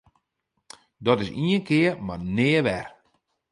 Dat is ien kear mar nea wer!